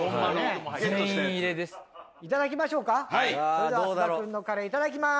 それでは菅田君のカレーいただきます。